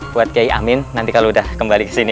buat k i amin nanti kalau sudah kembali ke sini